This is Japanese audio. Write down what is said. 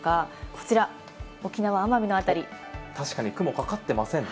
こちら、沖縄・奄美の辺り、確かに雲、かかってませんね。